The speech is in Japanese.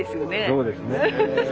そうですね。